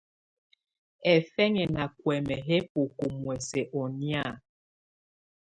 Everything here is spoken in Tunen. Hɛfɛnyɛ́ ná kuɛ́mɛ́ yɛ́ bókó muɛ̀sɛ́ ɔ́ nɛ̀á.